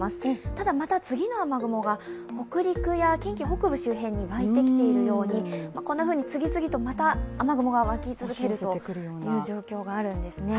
ただ、また次の雨雲が北陸や近畿北部周辺にわいてきていてこんなふうに次々と雨雲がわき続けるという状況があるんですね。